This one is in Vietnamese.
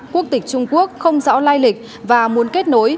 quốc tịch trung quốc không rõ lai lịch và muốn kết nối